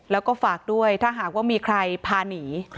แล้วก็ฝากด้วยถ้าหากว่ามีใครพาหนี